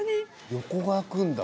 横が開くんだ。